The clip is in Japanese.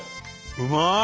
うまい！